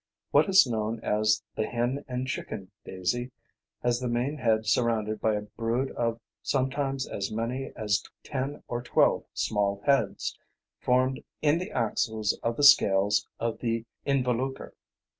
What is known as the "hen and chicken" daisy has the main head surrounded by a brood of sometimes as many as ten or twelve small heads, formed in the axils of the scales of the involucre.